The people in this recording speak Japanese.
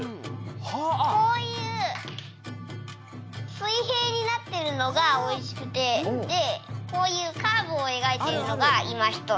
こういうすいへいになってるのがおいしくてでこういうカーブをえがいているのがいまひとつ。